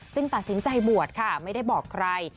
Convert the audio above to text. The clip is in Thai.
ตัดสินใจบวชค่ะไม่ได้บอกใคร